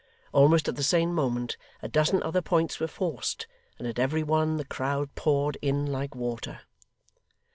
Almost at the same moment, a dozen other points were forced, and at every one the crowd poured in like water.